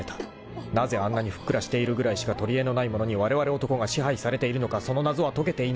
［なぜあんなにふっくらしているぐらいしか取りえのないものにわれわれ男が支配されているのかその謎は解けていなかった］